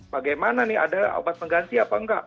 bagaimana nih ada obat pengganti apa enggak